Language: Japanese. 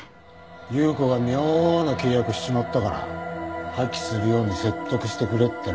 由子が妙な契約しちまったから破棄するように説得してくれってな。